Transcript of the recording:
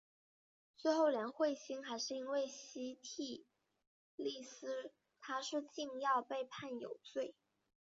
最后连惠心还是因为西替利司他是禁药被判有罪。